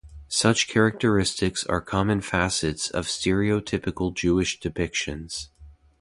Such characteristics are common facets of stereotypical Jewish depictions.